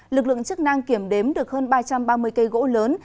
lực lượng chức năng kiểm đếm được hơn ba trăm ba mươi cây gỗ lớn